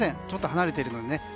ちょっと離れているのにね。